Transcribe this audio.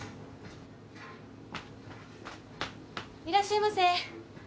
いらっしゃいませ。